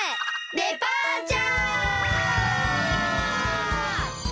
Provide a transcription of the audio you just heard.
デパーチャー！